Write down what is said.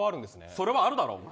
それはあるだろう。